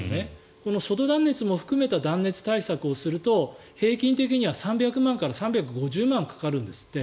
この外断熱も含めた断熱対策をすると平均的には３００万から３５０万かかるんですって。